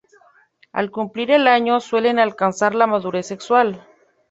Al cumplir el año suelen alcanzar la madurez sexual.